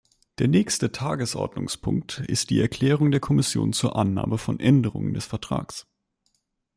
Der nächste Tagesordnungspunkt ist die Erklärung der Kommission zur Annahme von Änderungen des Vertrags.